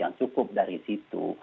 yang cukup dari situ